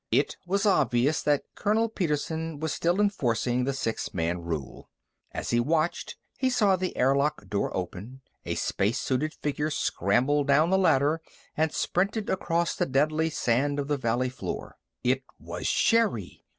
It was obvious that Colonel Petersen was still enforcing the six man rule. As he watched, he saw the airlock door open. A spacesuited figure scrambled down the ladder and sprinted across the deadly sand of the valley floor. It was Sherri!